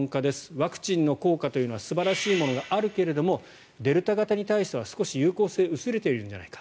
ワクチンの効果というのは素晴らしいものがあるけれどもデルタ型に対しては少し有効性が薄れているんじゃないか。